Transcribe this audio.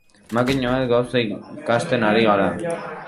Makina bat gauza ikasten ari gara.